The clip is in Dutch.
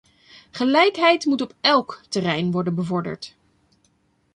Gelijkheid moet op elk terrein worden bevorderd.